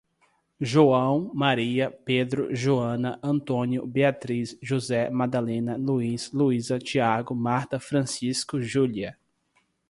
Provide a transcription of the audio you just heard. João, Maria, Pedro, Joana, António, Beatriz, José, Madalena, Luís, Luísa, Tiago, Marta, Francisco, Júlia